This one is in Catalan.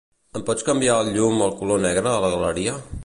Em pots canviar el llum al color negre a la galeria?